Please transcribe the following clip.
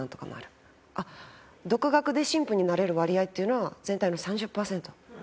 独学で神父になれる割合っていうのは全体の３０パーセント？